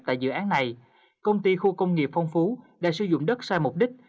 tại dự án này công ty khu công nghiệp phong phú đã sử dụng đất sai mục đích